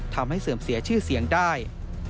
ทำให้เสริมเสียชื่อเสียงได้